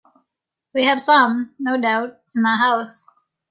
We have some, no doubt, in the house.